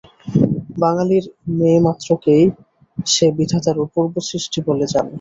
বাঙালির মেয়েমাত্রকেই সে বিধাতার অপূর্ব সৃষ্টি বলে জানে।